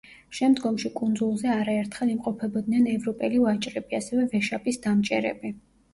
შემდგომში კუნძულზე არაერთხელ იმყოფებოდნენ ევროპელი ვაჭრები, ასევე ვეშაპის დამჭერები.